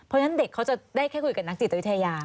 เพราะฉะนั้นเด็กเขาจะได้แค่คุยกับนักจิตวิทยา